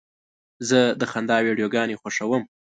زه د خندا ویډیوګانې خوښوم.